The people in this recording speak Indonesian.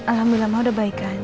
alhamdulillah mah udah baik kan